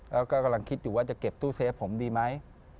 แล้วก็กำลังคิดอยู่ว่าจะเก็บตู้เซฟผมดีไหม